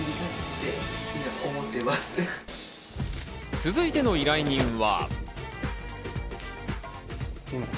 続いての依頼人は。